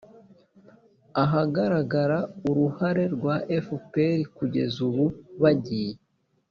ahagaragara uruhare rwa fpr kugeza ubu bagiye